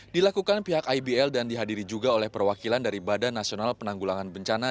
dilakukan pihak ibl dan dihadiri juga oleh perwakilan dari badan nasional penanggulangan bencana